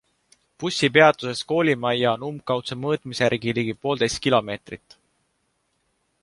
Bussipeatusest koolimajja on umbkaudse mõõtmise järgi ligi poolteist kilomeetrit.